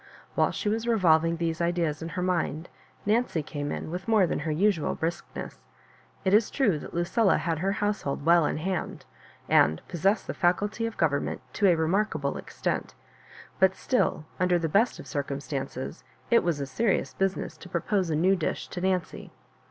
While she was revolving these ideas in her mind, Nancy came in with more than her usual briskness. It is true that Lu cilla had her household well in hand, and pos sessed the Acuity of government to a remark able extent; but still, under the best of cir cumstances, it was a serious business to propose a new dish to Nancy.